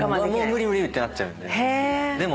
無理無理ってなっちゃうんで。